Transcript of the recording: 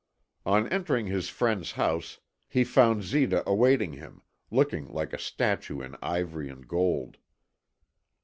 On entering his friend's house, he found Zita awaiting him, looking like a statue in ivory and gold.